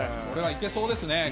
これはいけそうですね。